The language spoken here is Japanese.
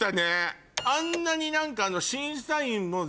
あんなに何か。